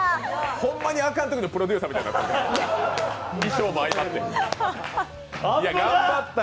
ほんまにあかんときのプロデューサーになってるから。